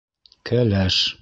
Кәләш.